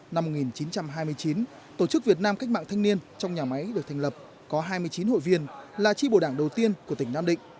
năm một nghìn chín trăm hai mươi chín tổ chức việt nam cách mạng thanh niên trong nhà máy được thành lập có hai mươi chín hội viên là tri bộ đảng đầu tiên của tỉnh nam định